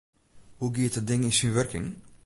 Hoe giet dat ding yn syn wurking?